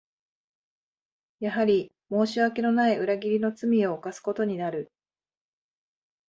やはり申し訳のない裏切りの罪を犯すことになる